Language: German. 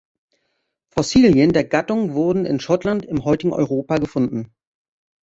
Fossilien der Gattung wurden in Schottland im heutigen Europa gefunden.